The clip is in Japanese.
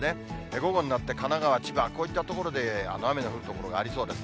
午後になって、神奈川、千葉、こういった所で雨の降る所がありそうです。